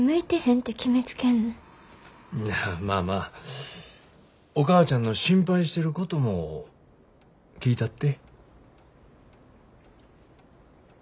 いやまあまあお母ちゃんの心配してることも聞いたって。